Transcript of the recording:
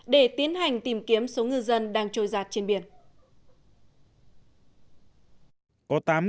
để tiến hành tìm kiếm số ngư dân đang trôi giặt trên biển